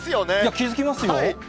気付きますよ。